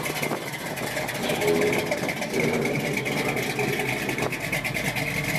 Kasu horiek icebergaren tontorra besterik ez dira.